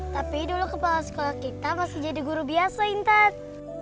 tapi dulu kepala sekolah kita masih jadi guru biasa intan